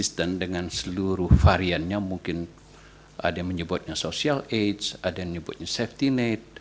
dengan seluruh variannya mungkin ada yang menyebutnya social aids ada yang menyebutnya safety net